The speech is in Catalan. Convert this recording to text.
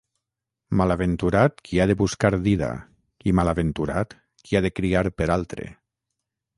Malaventurat qui ha de buscar dida i malaventurat qui ha de criar per altre.